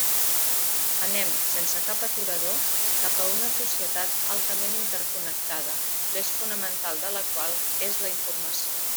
Anem, sense cap aturador, cap a una societat altament interconnectada l'eix fonamental de la qual és la informació.